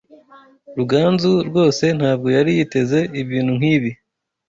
Ruganzu rwose ntabwo yari yiteze ibintu nkibi.